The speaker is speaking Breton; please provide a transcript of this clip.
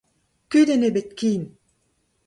Kudenn ebet ken !